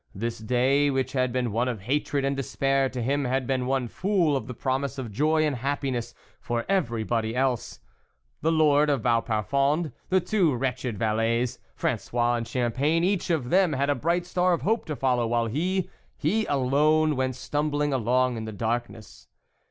This day which had been one of hatred and despair to him, had been one full of the promise of joy and happi ness for everybody else ; the lord of Vau parfond, the two wretched valets, Fran 9ois and Champagne, each of them had a bright star of hope to follow ; while he, he alone, went stumbling along in the darkness.